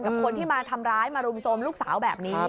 กับคนที่มาทำร้ายมารุมโทรมลูกสาวแบบนี้